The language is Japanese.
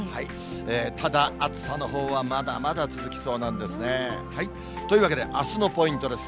ただ、暑さのほうはまだまだ続きそうなんですね。というわけで、あすのポイントです。